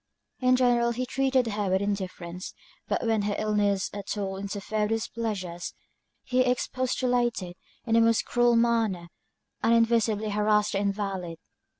In general he treated her with indifference; but when her illness at all interfered with his pleasures, he expostulated in the most cruel manner, and visibly harassed the invalid.